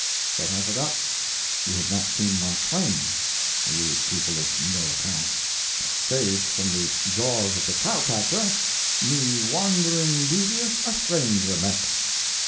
[Pg 168] But I forgot that you have not seen Mark Twain, you people of no account! Saved from the jaws of the cow catcher, me wandering devious a stranger met.